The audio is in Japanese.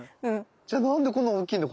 じゃあ何でこんな大きいんだ？